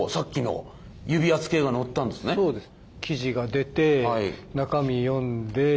そうです。